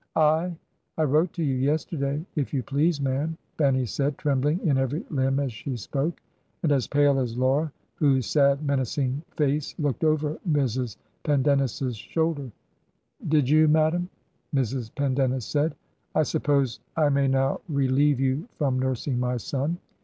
'I — I wrote to you yesterday, if you please, ma'am,' Fanny said, trembling in every limb as she spoke ; and as pale as Laura, whose sad, menacing face looked over Mrs. Pendennis's shoul 211 Digitized by VjOOQIC HEROINES OF FICTION der. 'Did you, madam?' Mrs. Pendennis said. 'I sup' pose I may now relieve you from nursing my son.